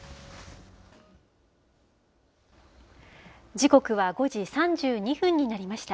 時刻は５時３２分になりました。